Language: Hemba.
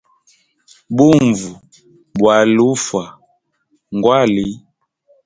Bunvu bwali ufa ngwali.